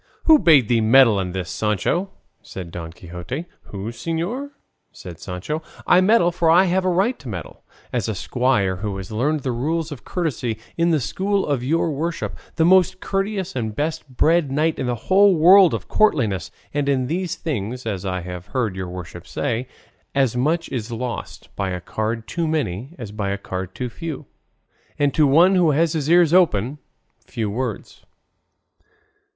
"Who bade thee meddle in this, Sancho?" said Don Quixote. "Who, señor?" said Sancho; "I meddle for I have a right to meddle, as a squire who has learned the rules of courtesy in the school of your worship, the most courteous and best bred knight in the whole world of courtliness; and in these things, as I have heard your worship say, as much is lost by a card too many as by a card too few, and to one who has his ears open, few words."